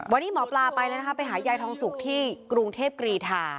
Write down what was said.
วันนี้หมอปลาไปเลยนะคะไปหายายทองสุกที่กรุงเทพกรีธา